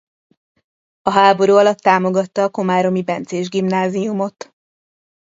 A háború alatt támogatta a komáromi bencés gimnáziumot.